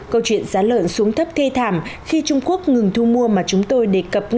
câu chuyện giá lợn xuống thấp thê thảm khi trung quốc ngừng thu mua mà chúng tôi đề cập